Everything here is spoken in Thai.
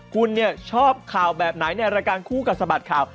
คุณชอบข่าวแบบไหนในรายการคู่กัดสะบัดข่าว